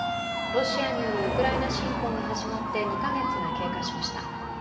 ロシアによるウクライナ侵攻が始まって２カ月が経過しました。